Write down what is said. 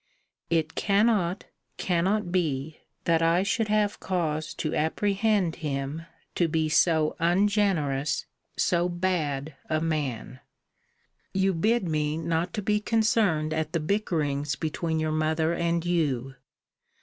It cannot, cannot be, that I should have cause to apprehend him to be so ungenerous, so bad a man. * See Vol.I. Letter IV. You bid me not to be concerned at the bickerings between your mother and you.